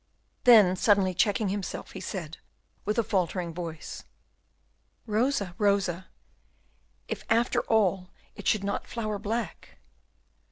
Then, suddenly checking himself, he said, with a faltering voice, "Rosa, Rosa, if after all it should not flower black!"